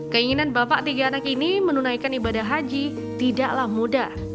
keinginan bapak tiga anak ini menunaikan ibadah haji tidaklah mudah